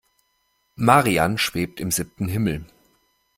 Marian schwebt im siebten Himmel.